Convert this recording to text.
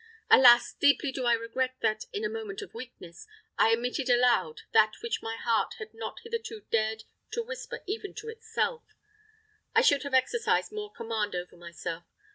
Alas! deeply do I regret that, in a moment of weakness, I admitted aloud that which my heart had not hitherto dared to whisper even to itself! I should have exercised more command over myself.